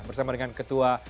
bersama dengan ketua kpk